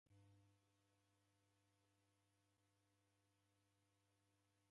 Maghesho ghadima kukunonia maisha